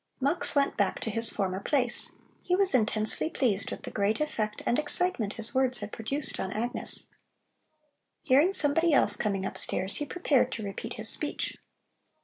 Mux went back to his former place. He was intensely pleased with the great effect and excitement his words had produced on Agnes. Hearing somebody else coming upstairs, he prepared to repeat his speech.